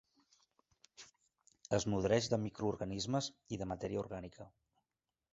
Es nodreix de microorganismes i de matèria orgànica.